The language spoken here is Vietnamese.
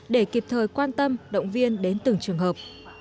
để kịp thời quan tâm động viên đến từng trường hợp